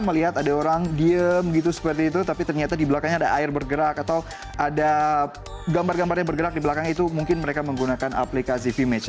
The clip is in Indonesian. melihat ada orang diem gitu seperti itu tapi ternyata di belakangnya ada air bergerak atau ada gambar gambar yang bergerak di belakang itu mungkin mereka menggunakan aplikasi vimage